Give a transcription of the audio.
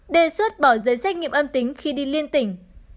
đề xuất bỏ dây xách nghiệm âm tính khi đi liên tỉnh